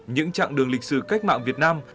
những chặng đường lịch sử cách mạng việt nam